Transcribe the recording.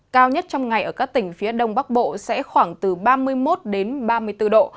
cao nhất trong ngày ở các tỉnh phía đông bắc bộ sẽ khoảng từ ba mươi một ba mươi bốn độ